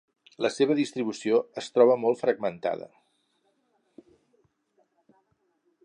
La seva distribució es troba molt fragmentada.